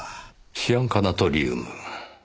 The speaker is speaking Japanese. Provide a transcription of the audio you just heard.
シアン化ナトリウム。